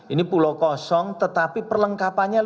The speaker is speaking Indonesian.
ini pulau kosong tetapi perlengkapannya